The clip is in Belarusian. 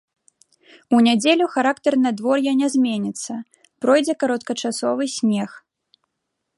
У нядзелю характар надвор'я не зменіцца, пройдзе кароткачасовы снег.